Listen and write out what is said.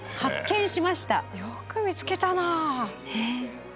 よく見つけたなあ。